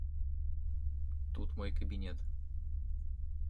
Тут мой кабинет.